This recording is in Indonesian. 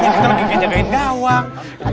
kita lagi ngejagain dawang